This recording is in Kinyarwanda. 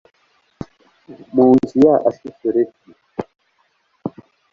mu nzu ya Ashitoreti